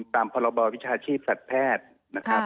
ตามพบวิชาชีพศัตรูแพทย์